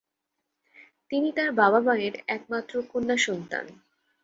তিনি তার বাবা মায়ের একমাত্র কন্যাসন্তান।